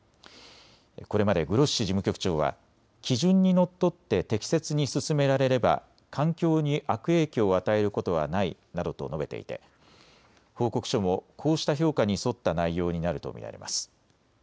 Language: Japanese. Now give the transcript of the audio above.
これまでグロッシ事務局長は基準にのっとって適切に進められれば環境に悪影響を与えることはないなどと述べていて報告書もこうした評価に沿った内容になると見られます。